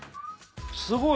すごい。